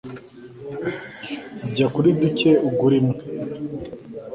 jya kuri duka ugure imwe